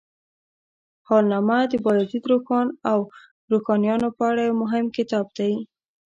حالنامه د بایزید روښان او روښانیانو په اړه یو مهم کتاب دی.